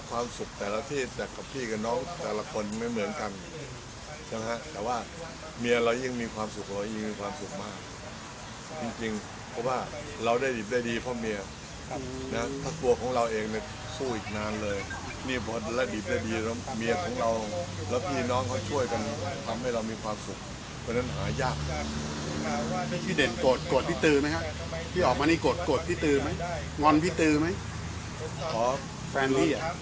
มีความสุขแต่ละที่แต่กับพี่กับน้องแต่ละคนไม่เหมือนกันนะฮะแต่ว่าเมียเรายังมีความสุขเรายังมีความสุขมากจริงจริงเพราะว่าเราได้หยิบได้ดีเพราะเมียนะฮะถ้ากลัวของเราเองสู้อีกนานเลยนี่เพราะเราได้หยิบได้ดีเพราะเมียของเราแล้วพี่น้องเขาช่วยกันทำให้เรามีความสุขเพราะฉะนั้นหายากพี่เด่นโกรธโกรธ